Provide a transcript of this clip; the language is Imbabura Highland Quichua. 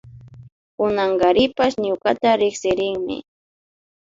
Kunankarishpa ñukata riksirinmi